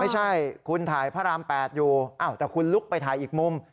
ไม่ใช่คุณถ่ายพระราม๘อยู่แต่คุณลุกไปถ่ายอีกมุม